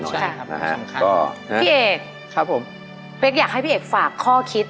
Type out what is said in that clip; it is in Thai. ใช่ครับนะฮะก็พี่เอกครับผมเป๊กอยากให้พี่เอกฝากข้อคิด